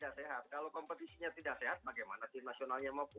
kalau tim nasionalnya tidak sehat bagaimana tim nasionalnya mau kuat